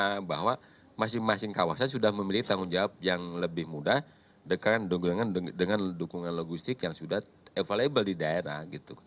karena bahwa masing masing kawasan sudah memiliki tanggung jawab yang lebih mudah dengan dukungan logistik yang sudah available di daerah